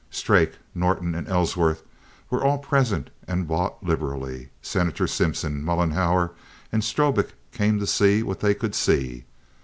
Strake, Norton, and Ellsworth were all present and bought liberally. Senator Simpson, Mollenhauer, and Strobik came to see what they could see.